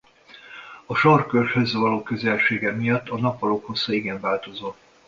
A sarkkörhöz való közelsége miatt a nappalok hossza igen változó.